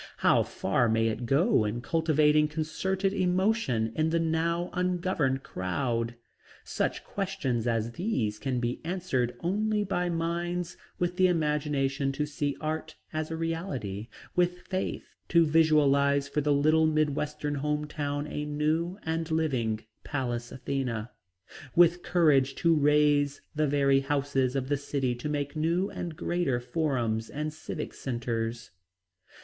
How far may it go in cultivating concerted emotion in the now ungoverned crowd? Such questions as these can be answered only by minds with the imagination to see art as a reality; with faith to visualize for the little mid western "home town" a new and living Pallas Athena; with courage to raze the very houses of the city to make new and greater forums and "civic centres."